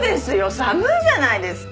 寒いじゃないですか。